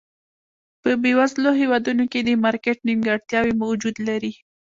په بېوزلو هېوادونو کې د مارکېټ نیمګړتیاوې وجود لري.